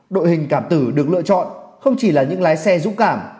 đội hình cảm tử được lựa chọn không chỉ là những lái xe dũng cảm